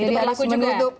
itu berlaku juga ya